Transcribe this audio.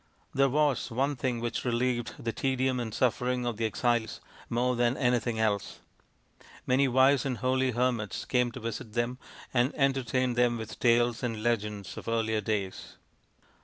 There was one thing which relieved the tedium and suffering of the exiles more than anything else. Many wise and holy hermits came to visit them, and 92 THE INDIAN STORY BOOK entertained them with tales and legends of earlier days.